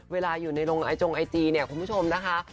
เวลาอยู่ในลงไอจงไอจีเนี่ยคุณผู้ชมนะคะ